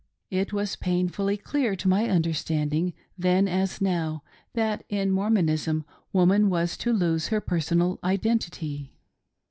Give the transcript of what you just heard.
It was painfully clear to my understanding, then as now, that in Mormonism woman was to lose her personal identity.